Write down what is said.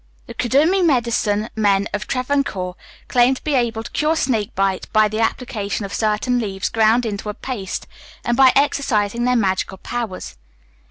The Kudumi medicine men of Travancore claim to be able to cure snake bite by the application of certain leaves ground into a paste, and by exercising their magical powers.